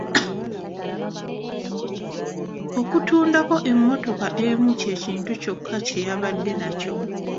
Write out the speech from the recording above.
Okutundako emmotoka emu kye kintu kyokka kye yabadde nakyo.